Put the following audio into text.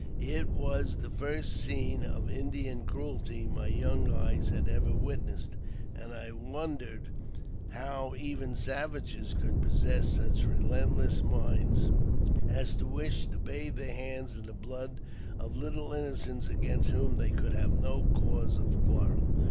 It was the first scene of Indian cruelty my young eyes had ever witnessed, and I wondered how even savages could possess such relentless minds as to wish to bathe their hands in the blood of little innocents against whom they could have no cause of quarrel.